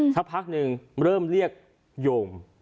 สักพักหนึ่งเริ่มเรียกโยม